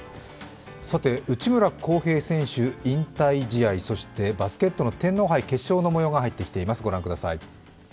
さて、内村航平選手引退試合そしてバスケットの天皇杯決勝の模様が入ってきています。